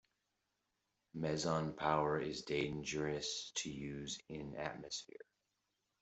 Meson power is dangerous to use in atmosphere.